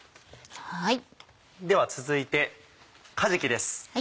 では続いてかじきです。